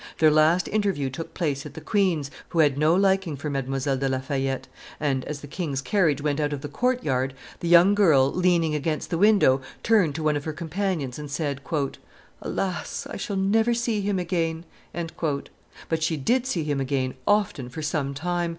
Their last interview took place at the queen's, who had no liking for Mdlle. de La Fayette; and, as the king's carriage went out of the court yard, the young girl, leaning against the window, turned to one of her companions and said, "Alas! I shall never see him again!" But she did see him again often for some time.